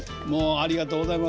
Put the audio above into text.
ありがとうございます。